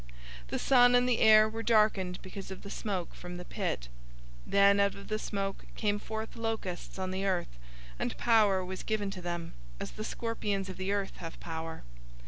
The sun and the air were darkened because of the smoke from the pit. 009:003 Then out of the smoke came forth locusts on the earth, and power was given to them, as the scorpions of the earth have power.